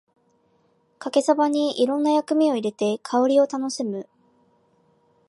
かけそばにいろんな薬味を入れて香りを楽しむ